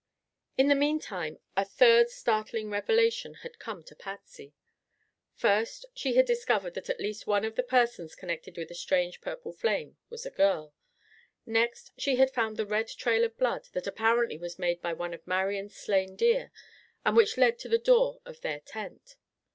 In the meantime a third startling revelation had come to Patsy. First she had discovered that at least one of the persons connected with the strange purple flame was a girl. Next she had found the red trail of blood that apparently was made by one of Marian's slain deer, and which led to the door of their tent.